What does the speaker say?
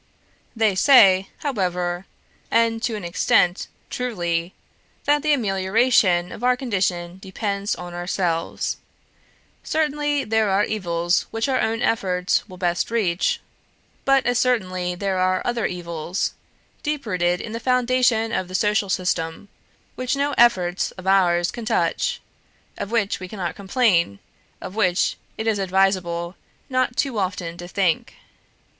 They say, however and, to an extent, truly that the amelioration of our condition depends on ourselves. Certainly there are evils which our own efforts will best reach; but as certainly there are other evils deep rooted in the foundation of the social system which no efforts of ours can touch: of which we cannot complain; of which it is advisable not too often to think.